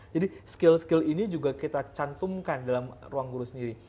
jadi skill skill ini juga kita cantumkan dalam ruangguru sendiri